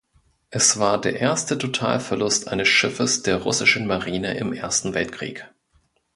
Es war der erste Totalverlust eines Schiffes der russischen Marine im Ersten Weltkrieg.